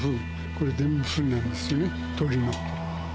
これ、全部ふんなんですよね、鳥の。